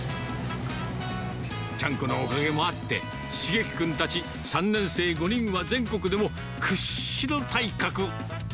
ちゃんこのおかげもあって、しげき君たち３年生５人は全国でも、屈指の体格。